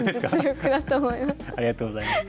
ありがとうございます。